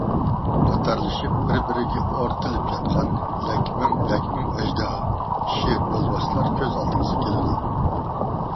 قاتارلىشىپ بىر-بىرگە ئارتىلىپ ياتقان لەكمىڭ-لەكمىڭ ئەجدىھا، شىر، يولۋاسلار كۆز ئالدىڭىزغا كېلىدۇ.